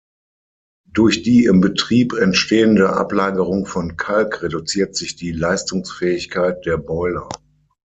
Durch die im Betrieb entstehende Ablagerung von Kalk reduziert sich die Leistungsfähigkeit der Boiler.